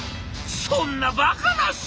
「そんなバカなっす！